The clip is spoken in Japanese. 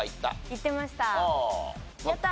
行ってました。